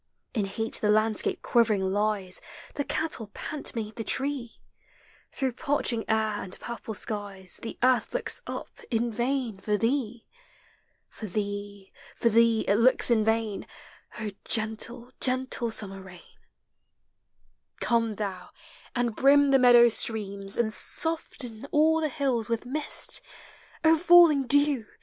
In heat the landscape quivering lies; The cattle pant beneath the tree; Through parching air ami purple skies The earth looks up, i" vain. lnr ,l,rr; p or thee— for thee, it looks iii vain, O gentle, gentle summer i 1 ' V — b 114 POEMS OF NATURE. Come thou, and brim the meadow streams, And soften all the hills with mist, O falling dew